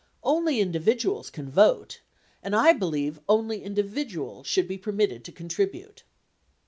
Only in dividuals can vote, and I believe only individuals should be permitted to contribute.